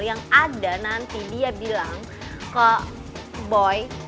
yang ada nanti dia bilang ke boy